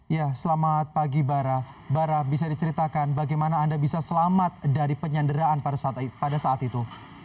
ya selamat pagi bara bara bisa diceritakan bagaimana anda bisa selamat dari penyanderaan pada saat itu